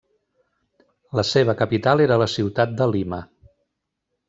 La seva capital era la ciutat de Lima.